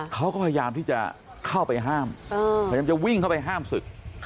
เขาก็พยายามที่จะเข้าไปห้ามพยายามจะวิ่งเข้าไปห้ามศึก